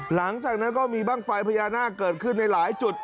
หลังจากนั้นก็มีบ้างไฟพญานาคเกิดขึ้นในหลายจุด